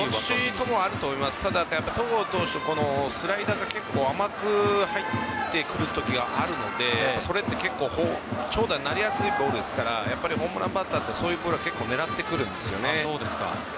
戸郷投手、スライダーが結構甘く入ってくるときがあるのでそれって結構長打になりやすいボールですからホームランバッターってそういうボールは狙ってくるんですよね。